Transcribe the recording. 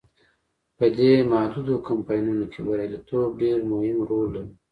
په دې محدودو کمپاینونو کې بریالیتوب ډیر مهم رول لري.